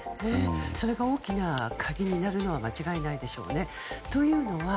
それが大きな鍵になるのは間違いないでしょうね。